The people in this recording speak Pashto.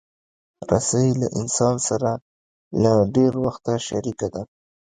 رسۍ له انسان سره له ډېر وخته شریکه ده.